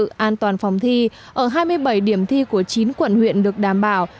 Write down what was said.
tăng toàn phòng thi ở hai mươi bảy điểm thi của chín quận huyện được đảm bảo